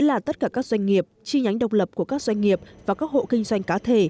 là tất cả các doanh nghiệp chi nhánh độc lập của các doanh nghiệp và các hộ kinh doanh